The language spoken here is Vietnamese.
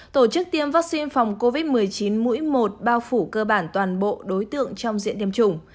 tổ chức tiêm vaccine phòng covid một mươi chín mũi một bao phủ cơ bản toàn bộ đối tượng trong diện tiêm chủng